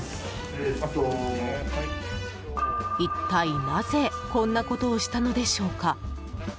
一体なぜこんなことをしたのでしょうか。